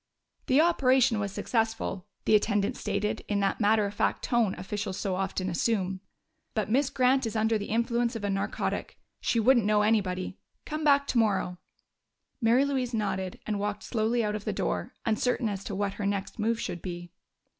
"The operation was successful," the attendant stated, in that matter of fact tone officials so often assume, "but Miss Grant is under the influence of a narcotic. She wouldn't know anybody.... Come back tomorrow." Mary Louise nodded and walked slowly out of the door, uncertain as to what her next move should be.